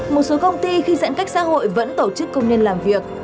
một số công ty khi giãn cách xã hội vẫn tổ chức công nhân làm việc